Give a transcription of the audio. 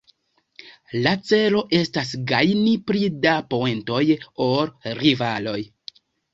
La celo estas gajni pli da poentoj ol rivaloj.